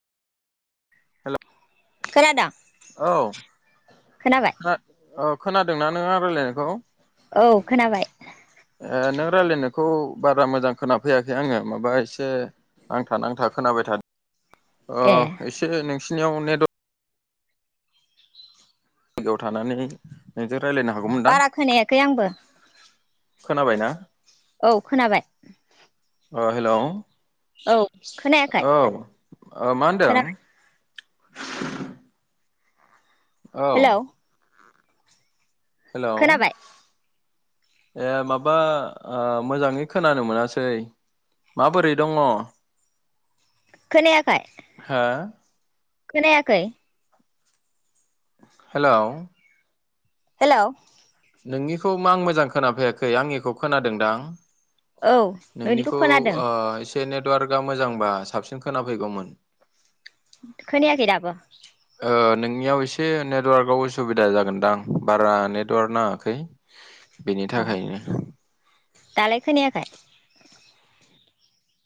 हेल' खोनादों औ खोनाबाय खोनादोंना नों आं रायज्लायनायखौ? औ खोनाबाय। ए नों रायलायनायखौ बारा मोजां खोनाफैयाखै आङो माबा एसे। नांथा नांथा खोनाबाय थादों ए ओ एसे नोंसिनियाव नेट। जायगाव थानानै नोंजों रायलायनो हागौमोनदां। बारा खोनायाखै आंबो खोनाबाय ना। औ खोनाबाय। ओ हेल' औ औ खोनायाखै ओ मा होनदों। खोनाबाय हेलौ औ। हेलौ। खोनाबाय ए माबा ओ मोजाङै खोनानो मोनासै। माबोरै दङ। खोनायाखै। हो। खोनायाखै। हेलौ। हेल'। नोंनिखौ मा आं मोजां खोनाफैयाखै आंनिखौ खोनादोंदां। औ नोंनिखौ खोनादों ओ एसे नेटवार्कआ मोजांबा साबसिन खोनाफैगौमोन। खोनायाखै दाबो। ओ नोंनियाव एसे नेटवार्कआव उसुबिदा जागोनदां बारा नेटवार्क। नाङाखै। बेनि अ थाखायनो दालाय खोनायाखै।